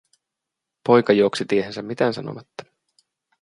Poika juoksi tiehensä mitään sanomatta.